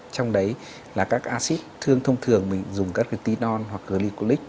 trong đấy là các acid thường thông thường mình dùng các cái tinon hoặc glicolic